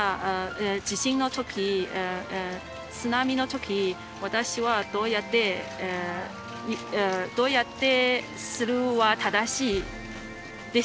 地震の時津波の時私はどうやってどうやってするは正しいです。